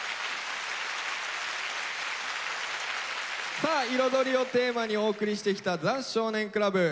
さあ「彩り」をテーマにお送りしてきた「ザ少年倶楽部」